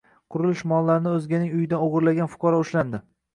Qurilish mollarini o‘zganing uyidan o‘g‘irlagan fuqaro ushlanding